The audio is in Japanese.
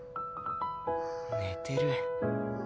寝てる。